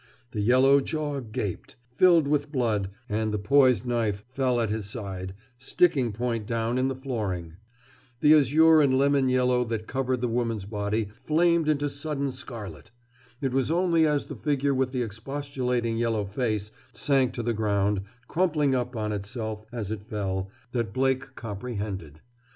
The yellow jaw gaped, filled with blood, and the poised knife fell at his side, sticking point down in the flooring. The azure and lemon yellow that covered the woman's body flamed into sudden scarlet. It was only as the figure with the expostulating yellow face sank to the ground, crumpling up on itself as it fell, that Blake comprehended.